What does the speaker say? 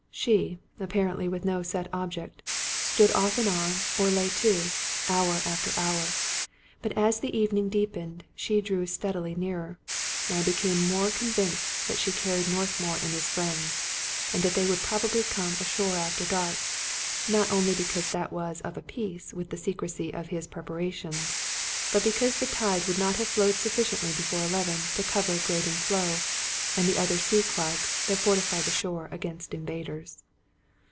She, ap parently with no set object, stood off and on or lay to, hour after hour; but as the evening deepened, she drew steadily nearer. I became more convinced that she carried North mour and his friends, and that they would probably come ashore after dark ; not only because that was of a piece with the secrecy of the preparations, but because the tide would not have flowed sufficiently before eleven to cover Graden Floe and the other sea quags that fortified the shore against invaders.